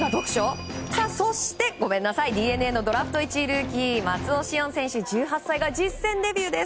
そしてＤｅＮＡのドラフト１位ルーキー松尾汐恩選手が実戦デビューです。